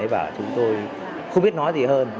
và chúng tôi không biết nói gì hơn